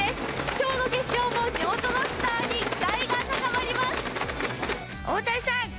今日の決勝も地元のスターに期待が高まります。